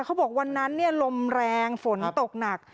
เขาบอกวันนั้นลมแรงฝนตกหนัก